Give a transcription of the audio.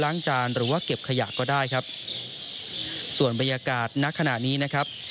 ล้างจานหรือก็ได้ครับส่วนบรรยากาศนักขณะนี้นะครับ